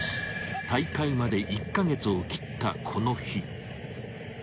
大会まで１カ月を切ったこの日］